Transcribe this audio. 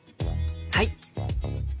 はい！